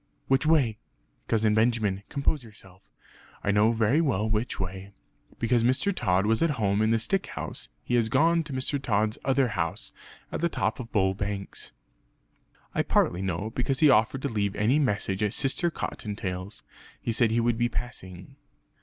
"Which way?" "Cousin Benjamin, compose yourself. I know very well which way. Because Mr. Tod was at home in the stick house he has gone to Mr. Tod's other house, at the top of Bull Banks. I partly know, because he offered to leave any message at Sister Cottontail's; he said he would be passing."